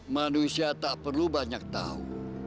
manusia tak perlu banyak tahu